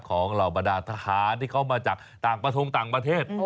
เหล่าบรรดาทหารที่เขามาจากต่างประทงต่างประเทศ